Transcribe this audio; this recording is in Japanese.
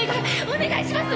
お願いします！